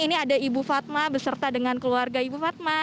ini ada ibu fatma beserta dengan keluarga ibu fatma